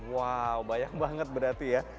wow bayang banget berarti ya